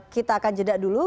kita akan jeda dulu